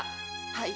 はい。